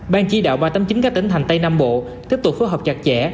ban chỉ đạo ba trăm tám mươi chín các tỉnh thành tây nam bộ tiếp tục phối hợp chặt chẽ